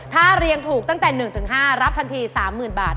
ถ้าเรียงถูกตั้งแต่๑๕รับทันที๓๐๐๐บาท